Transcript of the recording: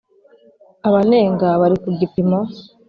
Abanenga bari ku gipimo